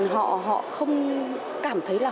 họ không cảm thấy là